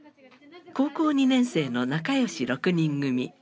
高校２年生の仲良し６人組。